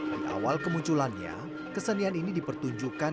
di awal kemunculannya kesenian ini dipertunjukkan